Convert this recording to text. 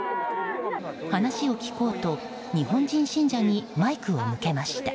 話を聞こうと、日本人信者にマイクを向けました。